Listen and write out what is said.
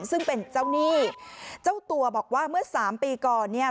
ซึ่งเป็นเจ้าหนี้เจ้าตัวบอกว่าเมื่อสามปีก่อนเนี่ย